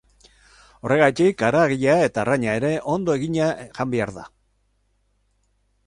Horregatik, haragia eta arraina ere ondo egina jan behar da.